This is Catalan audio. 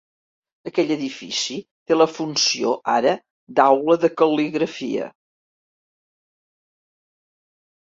Aquell edifici té la funció ara d'aula de cal·ligrafia.